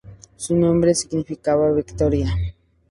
Su nombre significaba ‘victoria’.